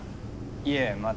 いえまだ。